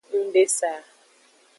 Ng be sa.